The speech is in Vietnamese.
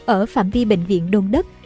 ở phạm vi bệnh viện đôn đất